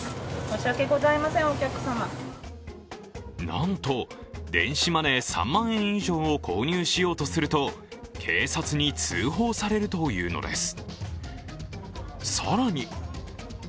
なんと電子マネー３万円以上を購入しようとすると警察に通報されるというのです。